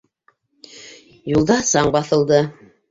Юлда саң баҫылды.